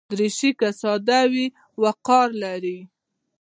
دریشي که ساده وي، وقار لري.